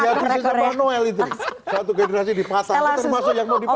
ini kan mau diaduin sama noel itu nih satu generasi dipasang termasuk yang mau dipasang